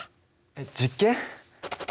えっ実験？